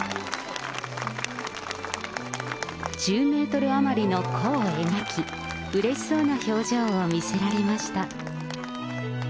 １０メートル余りの弧を描き、うれしそうな表情を見せられました。